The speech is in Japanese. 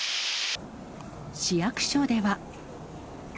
市役所では。